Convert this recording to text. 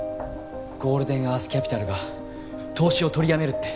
ゴールデンアースキャピタルが投資を取りやめるって。